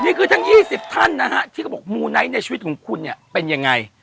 นี่คือทั้ง๒๐ท่านนะฮะที่เขาบอกมูไนท์ในชีวิตของคุณเนี่ยเป็นยังไง